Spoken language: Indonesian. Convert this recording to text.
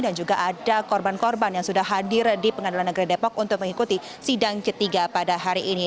dan juga ada korban korban yang sudah hadir di pengadilan negeri depok untuk mengikuti sidang ketiga pada hari ini